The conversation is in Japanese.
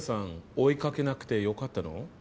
追いかけなくて良かったの？